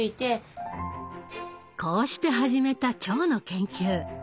こうして始めた腸の研究。